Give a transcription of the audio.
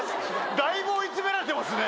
だいぶ追い詰められてますね。